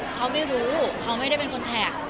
เขาไม่รู้เขาไม่ได้เป็นคนแท็ก